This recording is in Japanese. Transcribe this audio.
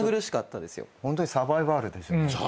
ホントにサバイバルですよね。